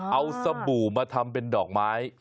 เอาสบู่มาทำเป็นดอกไม้